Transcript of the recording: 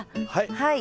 はい。